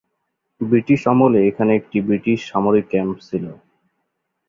British আমলে এখানে একটি ব্রিটিশ সামরিক ক্যাম্প ছিল।